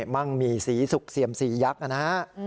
มั่งมีสีสุกเสี่ยมสียักษ์นะฮะ